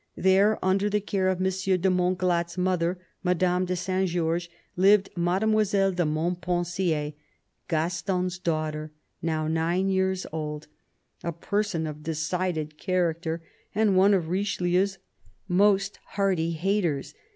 There, under the care of M. de Montglat's mother, Madame de Saint Georges, lived Mademoiselle de Montpensier, Gaston's daughter, now nine years old, a person of decided character, and one of Richelieu's most hearty haters.